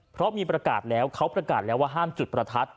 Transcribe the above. เพราะมีประกาศแล้วเขาประกาศแล้วว่าห้ามจุดประทัด